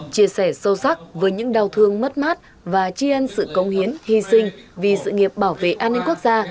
chia sẻ sâu sắc với những đau thương mất mát và chiên sự công hiến hy sinh vì sự nghiệp bảo vệ an ninh quốc gia